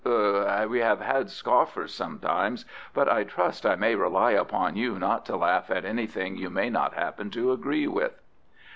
Er we have had scoffers sometimes, but I trust I may rely upon you not to laugh at anything you may not happen to agree with?"